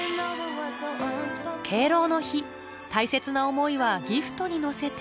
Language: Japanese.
敬老の日大切な思いはギフトに乗せて